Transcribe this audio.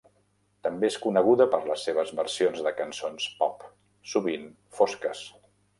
També és coneguda per les seves versions de cançons pop, sovint fosques.